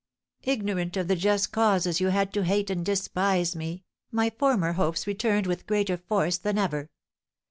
Ignorant of the just causes you had to hate and despise me, my former hopes returned with greater force than ever.